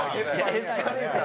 エスカレーター